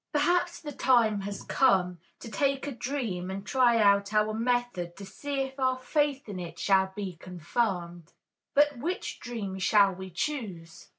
Perhaps the time has come to take a dream and try out our method to see if our faith in it shall be confirmed. But which dream shall we choose?